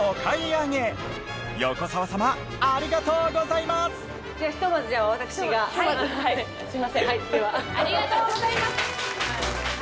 ありがとうございます！